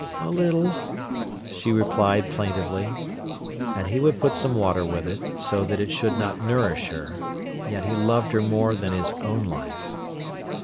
"A little," she replied plaintively. And he would put some water with it, so that it should not nourish her. Yet he loved her more than his own life.